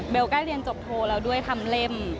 ใกล้เรียนจบโทรแล้วด้วยทำเล่ม